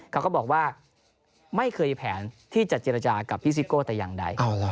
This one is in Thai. เขาก็บอกว่าไม่เคยมีแผนที่จะเจรจากับพี่ซิโก้แต่อย่างใด